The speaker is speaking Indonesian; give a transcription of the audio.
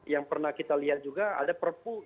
yang pernah kita lihat juga ada perpu